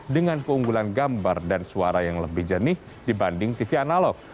dengan keunggulan gambar dan suara yang lebih jernih dibanding tv analog